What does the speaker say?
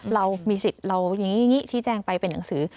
เรามีสิทธิ์ที่แจ้งไปเป็นหนังสือ